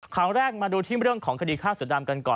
ข่าวแรกมาดูที่เรื่องของคดีฆ่าเสือดำกันก่อน